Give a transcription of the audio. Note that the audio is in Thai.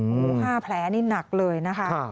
โอ้โห๕แผลนี่หนักเลยนะคะ